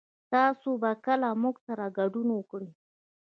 تاسو به کله موږ سره ګډون وکړئ